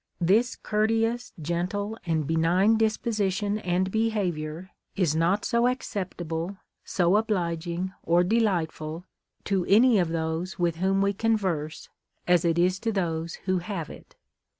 " This courteous, gentle, and benign disposition and behavior is not so acceptable, so obliging or delightful to any of those with whom we converse, as it is to those who have it."